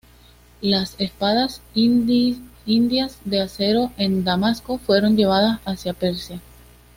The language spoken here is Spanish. Las espadas indias de acero de Damasco fueron llevadas hacia Persia.